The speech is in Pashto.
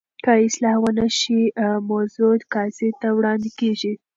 که اصلاح ونه شي، موضوع قاضي ته وړاندي کیږي.